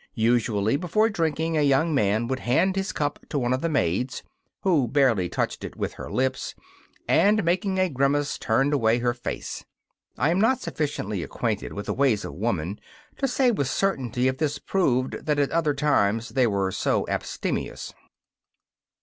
Usually before drinking a young man would hand his cup to one of the maids, who barely touched it with her lips, and, making a grimace, turned away her face. I am not sufficiently acquainted with the ways of woman to say with certainty if this proved that at other times they were so abstemious.